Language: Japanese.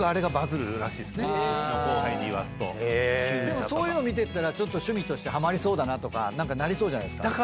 でもそういうの見てったら趣味としてハマりそうだなとかなりそうじゃないっすか。